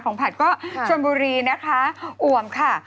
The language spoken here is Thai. ผัดก็ชนบุรีนะคะอ่วมค่ะ